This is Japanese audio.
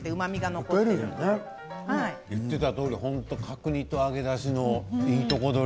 言っていたとおり角煮と揚げ出しのいいとこ取り。